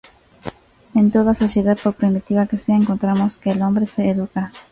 En toda sociedad por primitiva que sea, encontramos que el hombre se educa".